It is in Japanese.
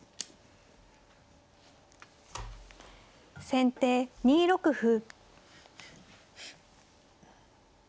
先手２六歩。